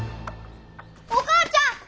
お母ちゃん！